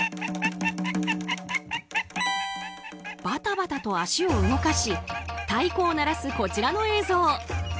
バタバタと足を動かし太鼓を鳴らすこちらの映像。